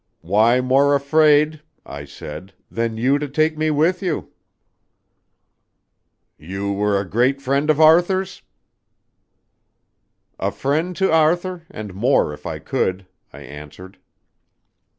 "Why more afraid," I said, "than you to take me with you?" "You were a great friend of Arthur's?" "A friend to Arthur and more if I could," I answered.